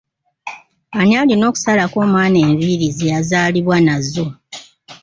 Ani alina okusalako omwana enviiri ze yazaalibwa nazo?